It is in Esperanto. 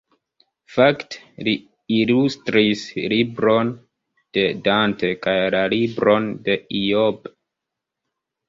Fakte, li ilustris libron de Dante kaj la libron de Ijob.